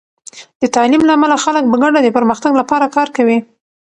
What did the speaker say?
د تعلیم له امله، خلک په ګډه د پرمختګ لپاره کار کوي.